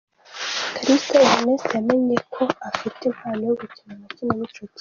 Kalisa Ernest yamenye ko afite impano yo gukina amakinamico kera.